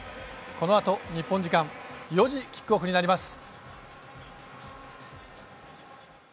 このあと日本時間４時キックオフになります。